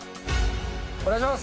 お願いします。